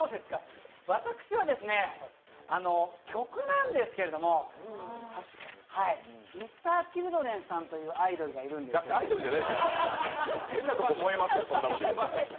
私は曲なんですけれどもＭｒ．Ｃｈｉｌｄｒｅｎさんというアイドルがいるんですけどアイドルじゃない変なとこ燃えますよ。